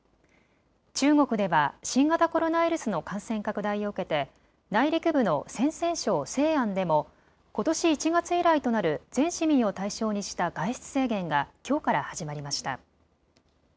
中国では新型コロナウイルスの感染拡大を受けて内陸部の陝西省西安でもことし１月以来となる全市民を対象にした外出制限がきょうから始まりました。